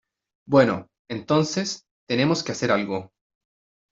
Bueno, entonces , tenemos que hacer algo.